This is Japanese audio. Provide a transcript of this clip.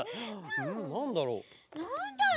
んなんだろう？